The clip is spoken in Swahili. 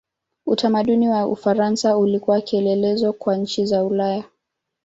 Utamaduni wa Ufaransa ulikuwa kielelezo kwa nchi za Ulaya.